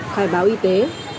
khai báo y tế